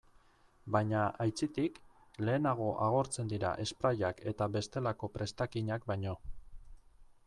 Baina, aitzitik, lehenago agortzen dira sprayak eta bestelako prestakinak baino.